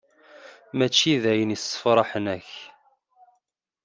Mačči d ayen issefraḥen akk.